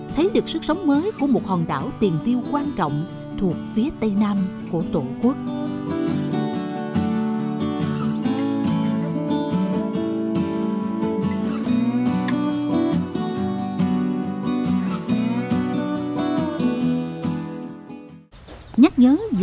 thấy được sức sống mới của một hòn đảo tiền tiêu quan trọng thuộc phía tây nam của tổ quốc